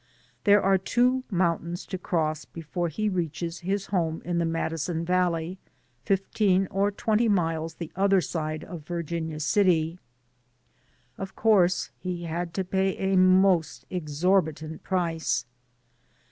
There are two mountains to cross before he reaches his DAYS ON THE ROAD. 253 home in the Madison Valley, fifteen or twenty miles the other side of Virginia City. Of course, he had to pay a most exorbitant price.